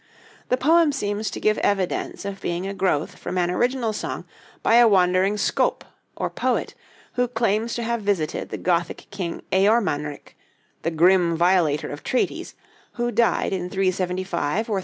The poem seems to give evidence of being a growth from an original song by a wandering scôp, or poet, who claims to have visited the Gothic king Eormanric, "the grim violator of treaties," who died in 375 or 376.